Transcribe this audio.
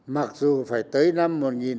mặc dù phải tới năm một nghìn chín trăm bảy mươi